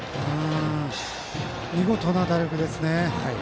見事な打力ですね。